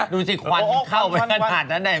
ดูสิควันเข้าไปข้างผ่านแล้วไหน